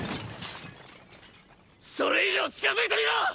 それ以上近づいてみろ！！